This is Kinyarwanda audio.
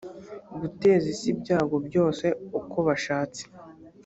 guteza isi ibyago byose uko bashatse